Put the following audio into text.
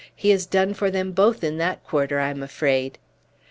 He has done for them both in that quarter, I am afraid.